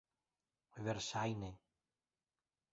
verŝajne